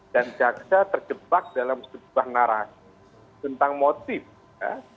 dan jaksa terjebak dalam sebuah narasi tentang motif ya